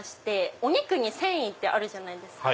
お肉に繊維ってあるじゃないですか。